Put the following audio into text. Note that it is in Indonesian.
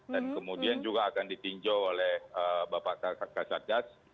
dan kemudian juga akan ditinjau oleh bapak kakak satgas